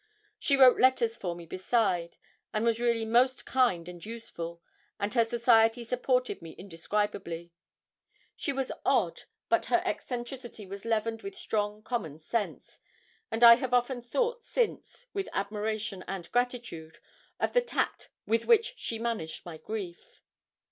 She wrote letters for me beside, and was really most kind and useful, and her society supported me indescribably. She was odd, but her eccentricity was leavened with strong common sense; and I have often thought since with admiration and gratitude of the tact with which she managed my grief.